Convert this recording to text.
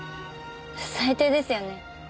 最低ですよね。